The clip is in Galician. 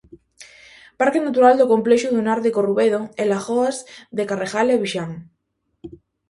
Parque Natural do Complexo dunar de Corrubedo e lagoas de Carregal e Vixán.